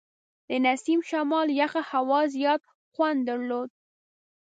د نسیم شمال یخه هوا زیات خوند درلود.